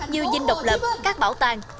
như dinh độc lập các bảo tàng